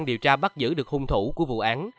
để giữ được hùng thủ của vụ án